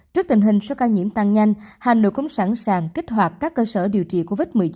trước tình hình số ca nhiễm tăng nhanh hà nội cũng sẵn sàng kích hoạt các cơ sở điều trị covid một mươi chín